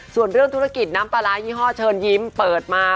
ส่วนเรื่องธุรกิจน้ำปลาร้ายี่ห้อเชิญยิ้มเปิดมา